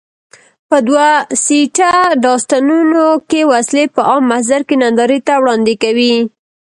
په دوه سیټه ډاټسنونو کې وسلې په عام محضر کې نندارې ته وړاندې کوي.